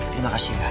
terima kasih ya